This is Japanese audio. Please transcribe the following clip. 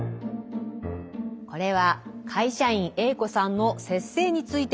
これは会社員Ａ子さんの「節制」についてのお話です。